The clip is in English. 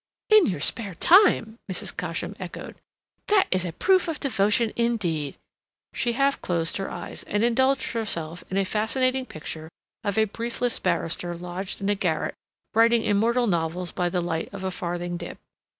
"In your spare time!" Mrs. Cosham echoed. "That is a proof of devotion, indeed." She half closed her eyes, and indulged herself in a fascinating picture of a briefless barrister lodged in a garret, writing immortal novels by the light of a farthing dip.